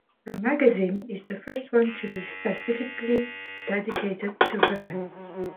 The magazine is the first one to be specifically dedicated to women.